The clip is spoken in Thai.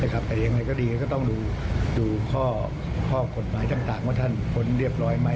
แต่ยังไงก็ดีก็ต้องดูข้อกฎหมายต่างว่าท่านพ้นเรียบร้อยไหม